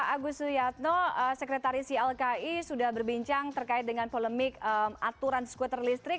pak agus suyadno sekretaris ilki sudah berbincang terkait dengan polemik aturan skuter listrik